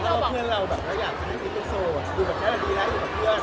ดูแบบใช้แบบนี้แหละหรือแบบเพื่อน